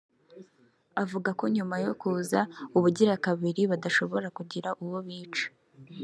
Avuga ko nyuma yo kuza ubugira kabiri badashobora kugira uwo bica